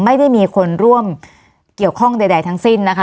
ไม่ได้มีคนร่วมเกี่ยวข้องใดทั้งสิ้นนะคะ